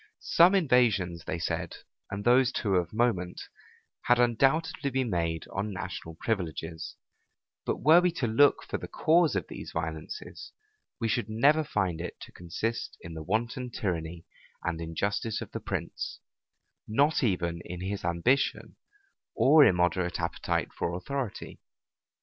Some invasions, they said, and those too of moment, had undoubtedly been made on national privileges: but were we to look for the cause of these violences, we should never find it to consist in the wanton tyranny and injustice of the prince, not even in his ambition or immoderate appetite for authority.